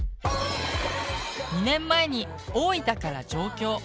２年前に大分から上京。